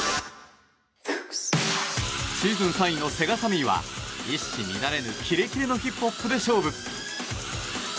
シーズン３位のセガサミーは一糸乱れぬキレキレのヒップホップで勝負。